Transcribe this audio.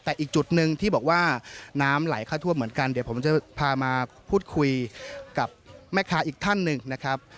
แต่อีกจุดหนึ่งที่บอกว่าน้ำไหลเข้าท่วมเหมือนกันเดี๋ยวผมจะพามาพูดคุยกับแม่ค้าอีกท่านหนึ่งนะครับ